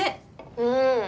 うん。